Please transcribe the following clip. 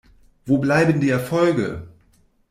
Wo bleiben die Erfolge?